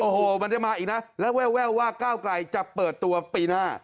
โอ้โหมันได้มาอีกนะแล้วแววว่าก้าวไกลจะเปิดตัวปีหน้า